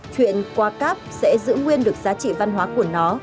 chuyện qua cáp sẽ giữ nguyên được giá trị văn hóa của nó